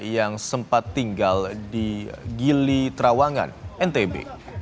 yang sempat tinggal di gili trawangan ntb